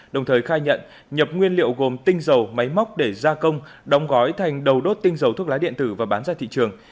đồng thời khai nhận nhập nguyên liệu gồm tinh dầu máy móc để gia công đóng gói thành đầu đốt tinh dầu thuốc lá điện tử và bán ra thị trường